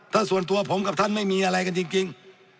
ถ้าส่วนตัวผมกับท่านไม่มีอะไรกันจริง